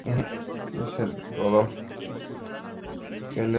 Zea pasó a ser un diputado por Casanare.